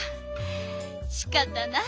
しかたない。